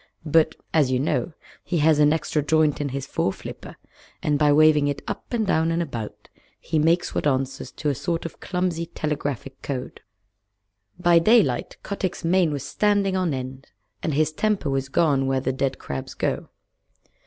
But, as you know, he has an extra joint in his foreflipper, and by waving it up and down and about he makes what answers to a sort of clumsy telegraphic code. By daylight Kotick's mane was standing on end and his temper was gone where the dead crabs go.